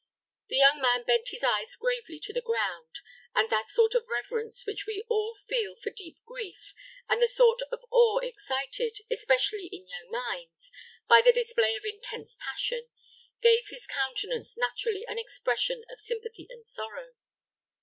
The young man bent his eyes gravely to the ground, and that sort of reverence which we all feel for deep grief, and the sort of awe excited, especially in young minds, by the display of intense passion, gave his countenance naturally an expression of sympathy and sorrow.